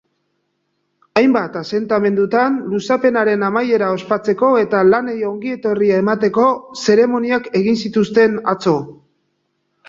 Hainbat asentamendutan luzapenaren amaiera ospatzeko eta lanei ongietorria emateko zeremoniak egin zituzten atzo.